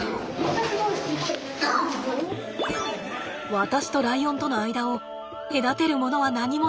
私とライオンとの間を隔てるものは何もない。